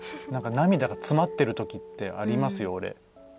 涙が詰まってるときってありますよ、俺。